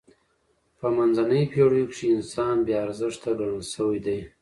به منځنیو پېړیو کښي انسان بې ارزښته ګڼل سوی دئ.